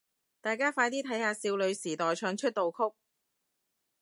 大家快啲睇下少女時代唱出道曲